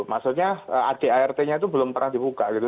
maksudnya adart nya itu belum pernah dibuka gitu